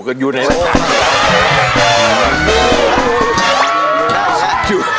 ก็อยู่ในรายการ